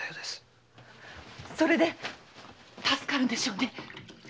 それで⁉助かるんでしょうね